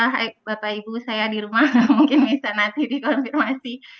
hai bapak ibu saya di rumah mungkin bisa nanti dikonfirmasi